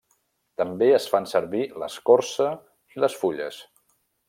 També es fan servir l'escorça i les fulles.